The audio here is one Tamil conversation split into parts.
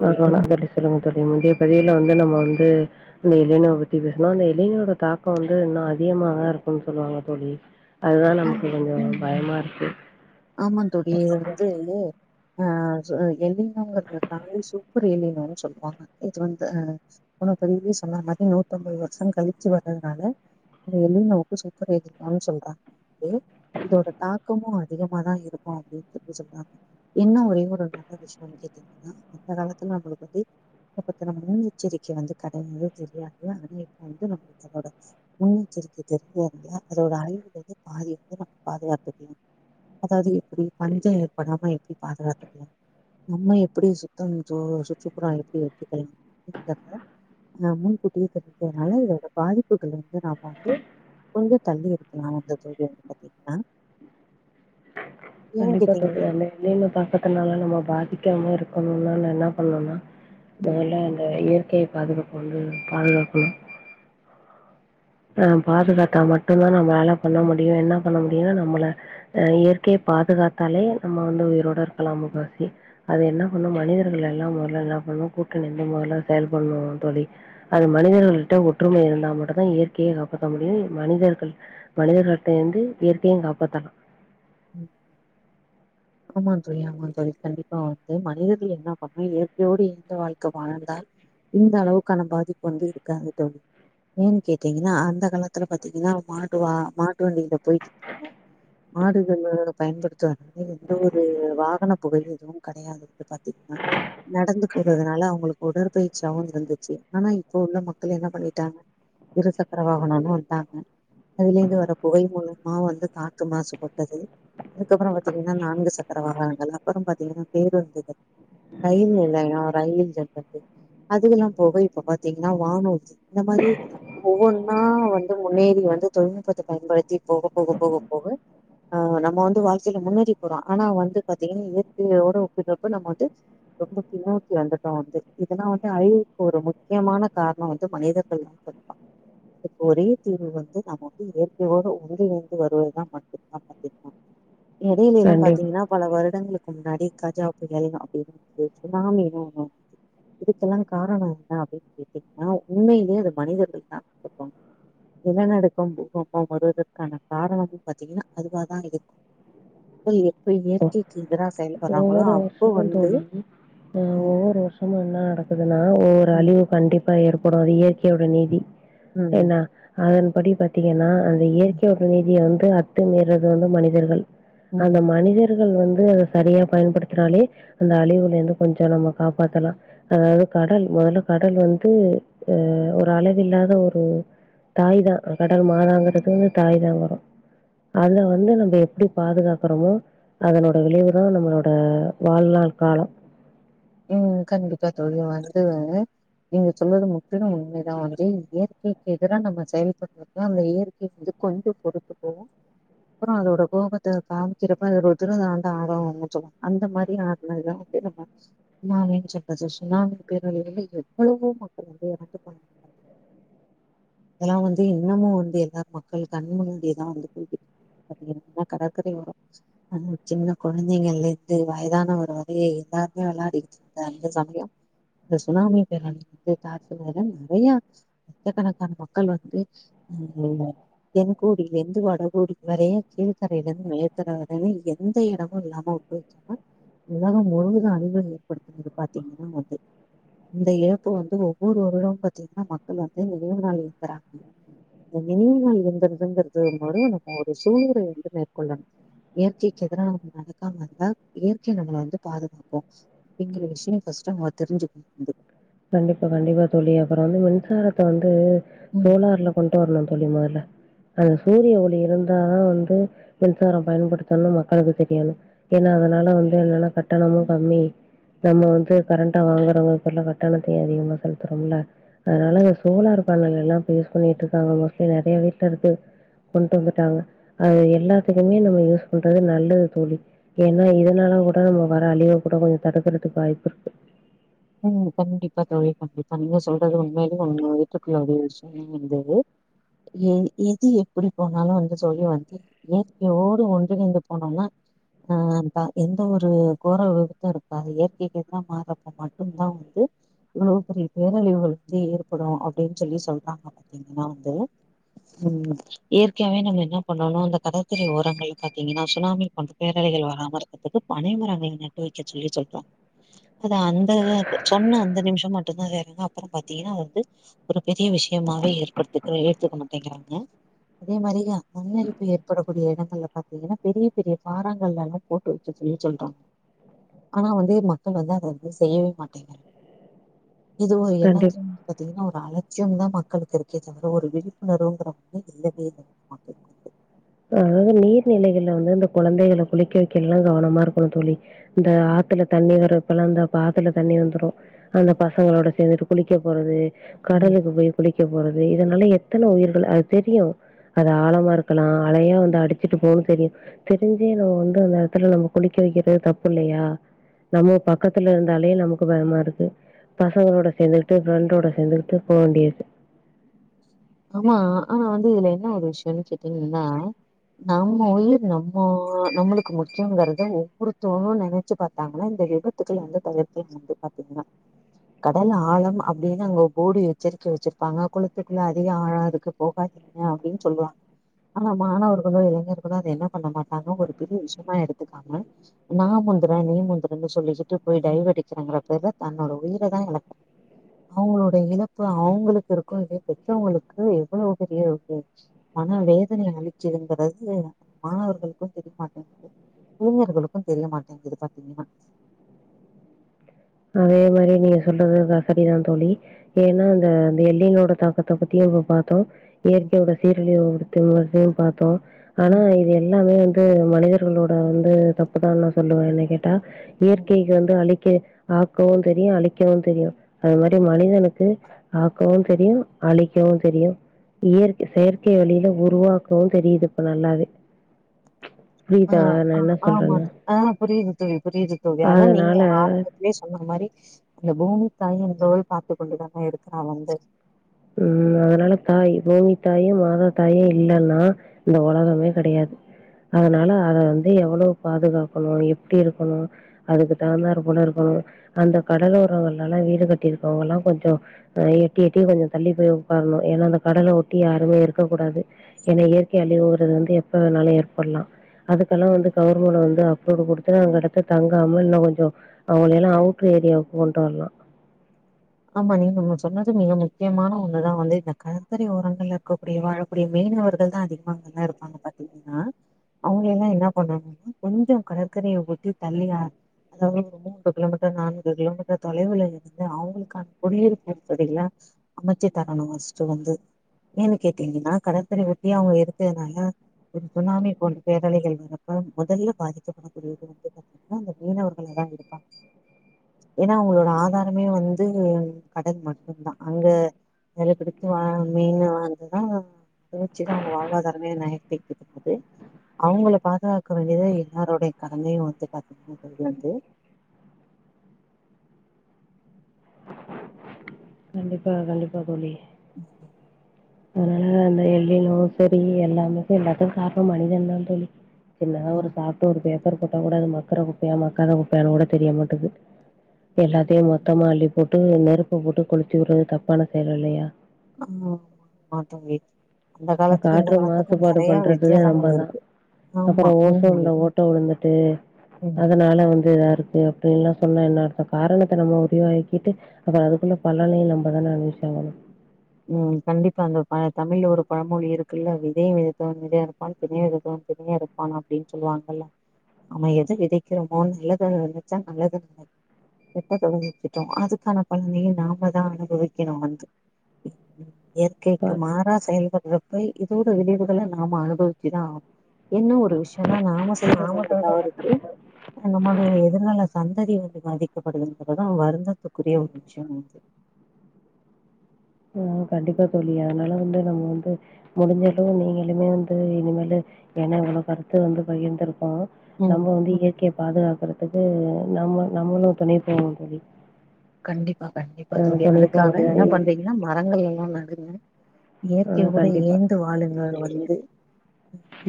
தோழி ஆதனால [unintelligible] சொல்லுங்க தோழி இதே ‌ பதிவுல வந்து நம்ம வந்து அந்த இளைனாவ பத்தி பேஸ்ணு அந்த இளைனாயோட தாக்கம் வந்து இன்னும் அதிகமா தா இருக்கும்ன்னு சொல்லுவாங்க தோழி அதுதா ஆ நமக்கு கொஞ்சம் பயமாருக்கு ஆமா தோழி இது வந்து இது ஆ எலினோங்கிறது தாலி சூப்பர் எலினோன்னு சொல்லுவாங்க இது வந்து ஆ உனக்கு பதிவ்லே சொன்ன மாத்ரி நூத்தம்பது வருஷோ கழிச்சு வர்றதுனால எலிநோவுக்கு சூப்பர் எலினோன்னு சொல்றாங்க இதோட தாக்கமு அதிகமா தான் இருக்கும் அப்டின்னு சொல்றாங்க இன்னு ஒரே ஒரு நல்ல விஷ்யோனு கேட்டீங்கன்னா இந்த காலத்லயு அவங்கள பத்தி இத பத்துன முன்னெச்சரிக்கை வந்து கடையவே கடையாது ஆனா இப்ப வந்து நம்மோட முன்னெச்சரிக்கை தெரிஞ்சதுனால அதோட அழிவுல வந்து பாதி வந்து நம்ம பாதுகாத்துருக்கலா அதாவ்து எப்டி பஞ்சம் ஏற்படாம எப்டி பாதுகாத்துக்கணு நம்ம எப்புடி சுத்தம் சோ சுற்றுப்புறோ எப்டி வெச்சுக்லா அப்டிங்றத நா முன்கூட்டியே தெரிஞ்சிக்கதுனால இதோட பாதிப்புகள் வந்து நா வந்து கொஞ்சோ தள்ளி இருக்கலா அந்த தூரோ வந்து பாத்திங்ன்னா கண்டிப்பா கேட்டீங்கன்னா தெரியாத்ல என்னனு பாக்கர்துனால நம்போ பாதிக்காம இருக்கணுன்னா நா இன்னா பண்லான்னா ம், முதல்ல இந்த இயற்கய பாதுகாப்ப வந்து பாதுகாக்கணு ஆ பாதுகாத்தா மட்டு தா நம்மளால பண்ண முடியு என்ன பண்ண முடியு நம்மள ஆ இயற்கய பாதுகாத்தாலே நம்ம வந்து உயிரோட இருக்கலா முக்காவாசி அது என்னா பண்ணு மனிதர்கள் எல்லா மொதல என்ன பண்ணோ கூட்டனின்னு மொதல்ல செயல்பட்ணோ தோழி அது மனிதர்களிட்ட ஒற்றுமை இருந்தா மட்டு தா இயற் கய காப்பாத்த முடியு மனிதர்கள் மனிதர்கள்ட்ட வந்து இயற்கயு காப்பாத்தலா ம் ஆமா தோழி ஆமா தோழி கண்டிப்பா வந்து மனிதர்கள் என்ன பண்ணா இயற்கையோடு இயந்த வாழ்க்க வாழ்ந்தால் இந்த அளவுக்கான பாதிப்பு வந்து இருக்காது தோழி ஏன் கேட்டிங்கன்னா அந்த காலத்துல பாத்திங்கன்னா மாட்டுவா மாட்டு வண்டில்தா போய்ட்டு அ மாடுகளோடு பயன்படுத்துவத்னால எந்த ஒரு வாகன புகை எதுவு கடயாது வந்து பாத்திங்ன்னா நடந்துக்றதுனால அவுங்குளுக்கு உடற்பயிற்சியாவுருந்துச்சு ஆனா இப்ப உள்ள மக்கள் என்ன பண்ணிட்டாங்க இருசக்கர வாகனோனு வந்தாங்க அதுலேந்து வர புகை மூலமா வந்து காத்து மாசுபட்டது அதுக்கப்பறோ பாத்திங் நான்கு சக்கர வாகனங்கள் அப்பறோ பாத்திங்கன்னா பேருந்துகள் ரயில் நிலயோம் ரயில் ஜர்ப்பட்டு அதுக்கெல்லா போக இப்ப பாத்திங்கன்னா வானூர்தி இந்த மாரி ஒவ்வொன்னா வந்து முன்னேறி வந்து தொழில்நுட்பத்த பயன்படுத்தி போக போக போக போக ஆ நம்ம வந்து வாழ்க்கைல முன்னேறி போறோ ஆனா வந்து பாத்திங்கன்னா இயற்கையோட ஒப்பிட்றப்ப நம்ம வந்து ரொம்ப பின்னோக்கி வந்துட்டோ வந்து இதெல்லா வந்து அழிவுக்கு ஒரு முக்கியமான கார்ணோ வந்து மனிதர்கள் தா தொட்டா அதுக்கு ஒரே தீர்வு வந்து நம வந்து இயற்கையோடு ஒன்றிணைந்து வருவதுதா மட்டுந்தா [unintelligible] எடையிலேலா கண்டிப்பா. பாத்திங்ன்னா பல வருடங்களுக்கு முன்னாடி கஜா புயல் அப்டிஇருந்துச்சு சுனாமினு ஒன்னு வந்ச்சு இதுக்கெல்லா காரணம் என்ன அப்டின் கேட்டிங்ன்னா உண்மைலேயே அது மனிதர்கள் தாருப்பாங்க நிலநடுக்கம் பூகம்பம் வருவதற்கான காரணமு பாத்திங்கனா அதுவாதா இருக்கு போய் எப்ப ஒ இயற்கைக்கு எதிரா செயல்பட்றாங்களோ ஒவ்வொரு அப்ப வருஷமு வந்து தோழி ம் ஒவ்வொரு வர்ஷமு இன்ன நடக்குதுன்னா ஒவ்வொரு ம் அழிவு கண்டிப் பா ஏற்படு அது இயற்கையோட நிதி ம் என்ன அதன்படி பாத்திங்கன்னா அந்த ம் இயற்கைன்ற நிதிய வந்து அத்துமீர்றது வந்து மனிதர்கள் அந்த ம் மனிதர் கள் வந்து அத சரியா பயன்படுத்தினாலே அந்த அழிவுலேந்து கொஞ்சோ நம்ம காப்பாத்தலா ஆ அது கடல் மொதல்ல கடல் வந்து ஆ ஒரு அளவில்லாத ஒரு தாய் தா கடல் ம். மாதாங்ன்குறது வந்து தாய் தா வரும் அத்ல வந்து நம்ப எப்டி பாதுகாக்றமோ அதனோட விளைவ்க கள் நம்புளோட வாழ்நாள் காலோ ம் கண்டிப்பா தோழி அது வந்துவே நீங்க சொல்றது முற்றிலு உண்மைதா வந்து இயற்கைக்கு எதிரா நம்ம செயல்பட்ற அப்ப தா அந்த இயற்கை வந்து கொஞ்சோ பொறுத்து போவு அப்புறோ அதோட கோபத்த காமிக்கிறப்ப அதோட ருத்ர தாண்டோ ஆடோ உச்சவோ அந்த மாரி நா ஆடுவ [unintelligible] ஃபுக்ஸ் நான் என்ன செப்பது சுனாமி பேரழிவுல எவ்வளவோ மக்கள் வந்து இறந்து போனாங்க இதெல்லாம் வந்து இன்னமும் வந்து எல்லார மக்கள் கண் முன்னாடியியதான் வந்து போகு பாத்தீங்கன்னா கடற்கரை ஓரம் போச்சு ஆ சின்ன கொலழந்தைங்கள்லந்து வயதான ஒரு வரையை எல்லாருமே விளையாட அந்த சமயம் சுனாமி பேரணி [inaudible] நறைய லட்சக்கணக்கான மக்கள் வந்து அ தென்கோடியிலந்து வடகோடி வரையன் கீழ்கறையில இருந்து மேற்கரை வரன்னு எந்த எடமும் இல்லாம போ உலகம் முழுவதும் அழிவ ஏற்படுத்துனது பாத்தீங்கன்னா வந்து இந்த இழப்பு வந்து ஒவ்வொரு வருடம் பாத்தீங்கன்னா மக்கள் வந்து நனைவு நாள் இந்துறாங்க இந்த நினைவுங்கள் இருந்ததுங்கிறது ம நம்ம ஒரு சூழ்நிறை வந்து மேற்கொள்ளணும் இயற்கைக்கு எதிர நம்ம நடக்காம இருந்த இயற்கை நம்மளை வந்து பாதுகாக்கும் அப்படிங்கிற விஷயம் ஃபஸ்ட்டு அவங்க தெரிஞ்சுக்கணும் கண்டிப்பா கண்டிப்பா தோழி அப்புறம் வந்து மின்சாரத்த வந்து ம் சோலார்ல கொண்டு வரணும் தோழி முதல்ல அந்த சூரிய ஒளி இருந்தா வந்து மின்சாரம் பயன்படுத்தனும் மக்களுக்கு தெரியணும் எனா அதனால வந்து கட்டணமும் கம்மி நம்ம வந்து கரண்ட் வாங்குறவங்க பேர்ல கட் டணதையு அதிகமா செலுதுரோல அதனால சோலார் பேனல் எல்லா இப்ப யூஸ் பண்ணிட்டுருக்காங்க மோஸ்ட்லி நறைய வீட்டு்ல இருக்கு கொண்டு வந்துட்டாங்க அது எல்லாத்துக்குமே நம்ம யூஸ் பண்றது நல்லது தோழி ஏனா இதனால கூட நம்ம வர அழிவ கூட கொஞ்சோ தடுக்கறதுக்கு வாய்ப்பு இருக்கு ம் கண்டிப்பா தோழி கண்டிப்பா நீங்க சொல்றது உண்மையாலுமே எத்துக்குடியவிஷய ஒய்ந்தது எ எது எப்டி போனாலு வந்து சொல்ல வந்து இயற்கையோடு ஒன்றிணைந்து போனோம்னா ஆ எந்த ஒரு கோர விபத்து இருக்காது இயற்கைக்கு எதிர மாறப்பட்ட மட்டு தா வந்து இவ்வளவு பெரிய பேரழிவுகள் வந்து ஏற்படு அப்டின்னு சொல்லி சொல்றாங்க பாத்தீங்கன்னா வந்து ம் இயற்கையாவவே நம்ம என்ன பண்ணனு அந்த கடற்கரை ஓரங்களை பார்த்தீங்கன்னா சுனாமி பண்றோ பேரலைகள் வராம இருக்கிறதுக்கு பனைமர நட்டு வைக்க சொல்லி சொல்றாங்க அத சொன்ன அந்த நிமிஷ மட்டுதா வேறாங்க அப்புற பார்த்தீங்கன்னா வந்து ஒரு பெரிய விஷயமாவே ஏற்படுத்தக்க எடுத்துக்க மாட்டேங்கிறாங்க அதே மாரி தா மண்ணெரிப்பு ஏற்படக்கூடிய இடங்கள்ல பார்த்தீங்கன்னா பெரிய பெரிய பாரங்கள்லல்லா போட்டு வக்க சொல்லி சொல்ரோ ஆனா வந்து மக்கள் வந்து அத வந்து தேயவே மாட்டேங்க இது கண்டிப்பா. என்னத்து பார்த்தீங்கன்னா ஒரு அலட்சிய தா மக்களுக்கு இருக்கே தவிர ஒரு விழிப்புணர்வுங்கிற ஒண்ணு இல்லவே இல்ல [unintelligible] அதாவது நீர்நிலைகள்ல வந்து இந்த குழந்தைக குளிக்க வைக்க எல்லா கவனமா இருக்கணு தோழி இந்த ஆத்துல தண்ணி வரு இப்பெல்லா இந்த ஆத்துல தண்ணி வந்துடு அந்த பசங்களோட சேர்ந்துட்டு குளிக்க போறது ம் கடலுக்கு போய் குளிக்க போறது இதனால எத்தன உயிர்கள் அது தெரியு அது ஆழமா இருக்கலா அழையா வந்து அடிச்சிட்டு போகு தெரியு தெரிஞ்சே நம்ம வந்து அந்த எடத்துல நம்ம குளிக்க வைக்கிறது தப்பு இல்லயா நம்ம பக்கத்துல இருந்தாலேயே நமக்கு பயமா இருக்கு பசங்கலோட சேந்துக்கிட்டு ஃப்ரெண்டோட சேந்துக்கிட்டு போக வேண்டியது ஆமா ஆனா வந்து இதுல என்ன ஒரு விஷயம்ன்னு கேட்டீங்கன்னா நம்ம உயிர் நம்ம நம்மளுக்கு முக்கியங்கறத ஒவ்வொருத்தங்களு நனச்சு பாத்தாங்கன்னா இந்த விபத்து த்துக்கள வந்து தவிர்த்து வந்து பாத்தீங்கன்னா கடல் ஆழம் அப்டின்னு அங்க ஒரு போடு எச்சரிக்கை வச்சிருப்பாங்க குளத்துகுள்ள அது ஆழம் ஆழாதுக்கு போகாதீங்க அப்டின் சொல்லுவாங்க ஆனா மாணவர்களோ இளைஞர்களோ அத என்ன பண்ண மாட்டாங்க ஒரு பெரிய விஷயமா எடுத்துக்காம நா முந்துரே நீ முந்துரேன்னு சொல்லிக்கிட்டு போய் டைவு அடிக்கிறேங்கிற பேருல தன்னோட உயிர தா இழக் அவுங்களோட இழப்பு அவுங்களுக்கு இருக்கோ இல்லையோ பெத்தவங்களுக்கு எவ்ளோ பெரிய இது மன வேதனை அளிக்கிதுங்கிறது அந்த மாணவர்களுக்கு தெரியமாட்டேங்கிது இளைஞர்களுக்கு தெரியமாட்டேங்கிது பாத்தீங்கன்னா அதே மாரி நீங்க சொல்றது இதா சரிதா தோழி ஏன்னா அந்த பில்டிங் ஓட தாக்கத்த பத்தியு அப்ப பாத்தோ ம், இயற்கையோட சீரழிவ உருத்து வர்றதையு பாத்தோ ஆனா ம், இது எல்லா நம்ம வந்து மனிதர்களோட வந்து தப்புதா நா சொல்லுவே என்னய கேட்டா ம். இயற்கைக்கு வந்து அழிக் க ஆக்கவு தெரியு அழிக்கவு தெரியு அது மாரி மனிதனுக்கு ஆக்கவு தெரியு அழிக்கவு தெரியு இயற்கை செயற்கை வழியில உருவாக்கவு தெரியுது இப்ப நல்லாவே ஆ புரியுதா ஆ நான் என்ன ஆமா சொல்றேன்னு? தோழி ஆ புரியுது தோழி புரியுது தோழி அதா நீங்க அதனால ஆரம்பத்திலயே சொன்ன மாரி அந்த பூமி தாயு எந்தோள் பாத்து கொண்டுதான இருக்குறா வந்து ம் அதனால தாய் பூமி தாயு மாதா தாயு இல்லன்னா இந்த உலகமே கெடையாது அதனால அத வந்து எவ்வளோ பாதுகாக்கனு எப்டி இருக்கணு அதுக்கு தகுந்தார் போல இருக்கணு அந்த கடலோரங்கள்லல்லா வீடு கட்டிருக்கவங்கல்லா கொஞ்சோ எட்டி எட்டி கொஞ்சோ தள்ளி போய் ஒக்காரனு ஏன்னா அந்த கடல ஒட்டி யாருமே இருக்கக்கூடாது ஏன்னா இயற்கை அழிவுங்கிறது வந்து எப்ப வேணாலு ஏற்படலா அதுக்கெல்லா வந்து ம், கவர்மெண்ட் வந்து தோடு குடுத்தன்னா அந்த எடத்துல தங்காம இன்னோ கொஞ்சோ அவுங்கள எல்லா அவுட்டர் ஏரியாவுக்கு கொண்ட்டு வரலா ஆமா நீங்க மொத சொன்னது மிக முக்கியமான ஒண்ணுதா வந்து இந்த கடற்கரை ஓரங்கள்ல இருக்கக்கூடிய வாழக் கூடிய மீனவர்கள் தா அதிகமா அங்கல்லா இருப்பாங்க பாத்தீங்கன்னா அவுங்கள எல்லா என்ன பண்ணனுன்னா கொஞ்சோ கடற்கரய ஒட்டி தள்ளி ஆ அவுங்ளுக்கு ஒரு மூன்று கிலோமீட்டர் நான்கு கிலோமீட்டர் தொலைவுல இருந்து அவுங்ளுக் கான குடியிருப்பு பகுதிகள அமச்சி தரணு ஃபர்ஸ்ட்டு வந்து ஏன்னு கேட்டீங்கன்னா கடற்கரய ஒட்டி அவங்க இருக்கதுனால ஒரு சுனாமி போன்ற பேரலைகள் வரப்ப மொதல்ல பாதிக்கப்படக்கூடியது வந்து பாத்தீ ங்கன்னா அந்த மீனவர்களா தா இருப்பாங்க ஏன்னா அவங்களோட ஆதாரமே வந்து கடல் மட்டுந்தா அங்க வெலபிடித்து வா மீன் வாங்குனா அத வச்சிதா அவங்க வாழ்வாதாரமே நயத்திக்கிட்டு இருக்குது அவுங்கள பாதுகாக்க வேண்டியது எல்லாரோடைய கடமையு வந்து பாத்தீங்கன்னா தோழி வந்து கண்டிப்பாக கண்டிப்பா தோழி ம் ம் அதனால அந்த எள்ளிலோ சரி எல்லாமுக்கோ எல்லாத்துக்கு காரணோ மனிதன்தா தோழி சின்னதா ஒரு ஆமா சாப்ட்டு ஒரு பேப்பர் போட்டாக் கூட அது மக்குற குப்பையா மக்காத குப்பையான்னு கூட தெரிய மாட்டக்கு எல்லாத்தையு மொத்தமா அள்ளி போட்டு நெருப்ப போட்டு கொளுத்திவுட்றது தப்பான செயல் இல்லையா ஆ ஆமா ஆமா தோழி அந்த காலத்துக்கு இந்த காற்று காலத்துக்கு மாசுபாடு நெறையா வித்தியாசங்கள் இருக்கு ஆமா அப்றோ உண்மையிலே ஓசோன்ல ஓட்ட விழுந்துட்டு ம் அதனால வந்து இதா இருக்கு அப்டில்லா சொன்னா என்ன அர்த்தோ காரணத்த நம்ம உருவாக்கிட்டு அப்ப அதுக்குள்ள பலனையு நம்மதானே அனுபவிச்சி ஆகனோ ம் கண்டிப்பா அந்த தமிழ்ல ஒரு பழமொழி இருக்குல்ல விதய விதைத்தவன் விதை அறுப்பான் தினய விதைத்தவன் தினை அறுப் பான் அப்டின்னு சொல்லுவாங்கல்ல நாம எத விதைக்கிறோமோ நல்லது நெனச்சா நல்லது ந கெட்டத வெதச்சிட்டோ அதுக்கான பலனயோ நாம தா அனுபவிக்கணு வந்து இயற்கைக்கு மாறா செயல்பர்ற பேய் இதோட விளைவுகள நாம அனுபவிச்சுதா ஆனோ என்ன ஒரு விஷயோன்னா நாம செய்து ஆமா வந்த தவறுக்கு தோழி நம்மளுடைய எதிர்கால சந்ததி வந்து பாதிக்கப்படுதுன்றதா வருந்தத்துக்குரிய ஒரு விஷயோ வந்து அ கண்டிப்பா தோழி அதனால வந்து நம்ம வந்து முடிஞ்சளவு நீங்களுமே வந்து இனிமேல ஏனா எவ்ளோ கருத்த வந்து பகிர்ந்துருக்கோ ம் நம்ம வந்து இயற்கைய பாதுகாக்கறதுக்கு நம்ம நம்மளு துணை போனு தோழி கண்டிப்பா கண்டிப்பா அ தோழி துணை அதுக்காக என்ன போவோம். பண்றீங்கன்னா மரங்கள் எல்லா நடுங்க அ இயற்கையோடு கண்டிப்பா. இயந்து வாழுங்கள் வந்து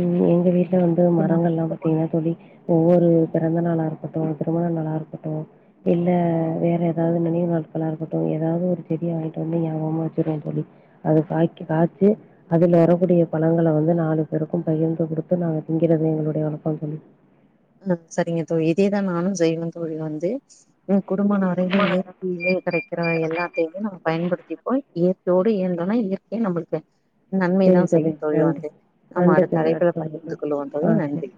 ம் எங்க வீட்ல வந்து குடும்ப மரங்கள்ல்லா இல்ல தோழி ஒவ்வொரு பிறந்த நாளா இருக்கட்டோ திருமண நாளா இருக்கட்டோ இல்ல வேற ஏதாவது நினைவு நாட்களா இருக்கட்டோ ஏதாவது ஒரு செடிய வாங்கிட்டு வந்து ஞாபகமாக வச்சுருவ தோழி அது காயிக்கு காய்ச்சு அதுல வரக்கூடிய பழங்கள வந்து நாலு பேர்க்கு பகிர்ந்து குடுத்து நாங்க திங்கறது எங்களுடைய வழக்கோ தோழி அ செரிங்க தோழி இதேதா நானு செய்வே தோழி வந்து ம் கூடும்மான வரையில இயற்கையில கெடைக்கிற எல்லாத்தையுமே நம்ம பயன்படுத்தி போய் இயற் கையோடு நாம இயந்தோன்னா இயற்கை நம்மளுக்கு நன்மை தா சரி செய்யு தோழி நன்றி. வந்து நம்ம நன்றி அடுத்த தோழி. அழைப்புல பகிர்ந்து கொள்ளுவோ ஆ தோழி சரி. நன்றி